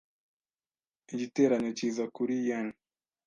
Igiteranyo kiza kuri yen .